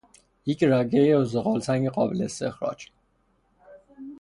یک رگهی زغالسنگ قابل استخراج